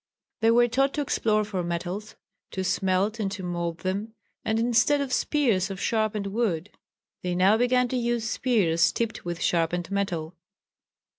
They were taught to explore for metals, to smelt and to mould them, and instead of spears of sharpened wood they now began to use spears tipped with sharpened metal.